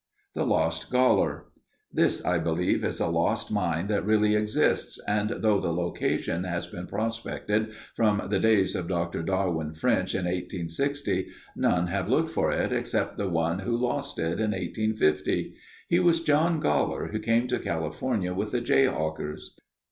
THE LOST GOLLER. This, I believe, is a lost mine that really exists and though the location has been prospected from the days of Dr. Darwin French in 1860, none have looked for it except the one who lost it in 1850. He was John Goller, who came to California with the Jayhawkers.